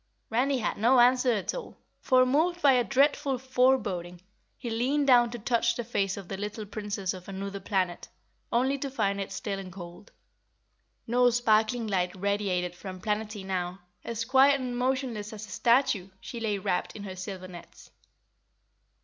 Randy had no answer at all, for, moved by a dreadful foreboding, he leaned down to touch the face of the little Princess of Anuther Planet, only to find it still and cold. No sparkling light radiated from Planetty now as, quiet and motionless as a statue, she lay wrapped in her silver nets.